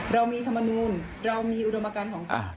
เรามีธรรมนูลเรามีอุดมการของ